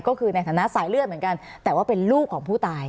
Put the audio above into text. ก็คือในฐานะสายเลือดเหมือนกันแต่ว่าเป็นลูกของผู้ตาย